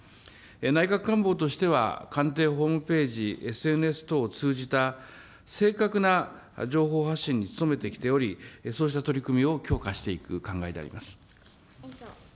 内閣官房としては官邸ホームページ、ＳＮＳを通じた正確な情報発信に努めてきており、そうした取り組みを強化していく考えであります。